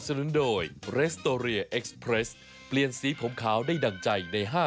ใช่ไหมเหมือนตัวนี้ใช่ไหม